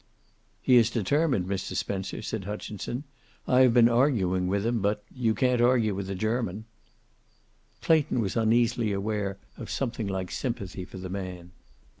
"He is determined, Mr. Spencer," said Hutchinson. "I have been arguing with him, but you can't argue with a German." Clayton was uneasily aware of something like sympathy for the man.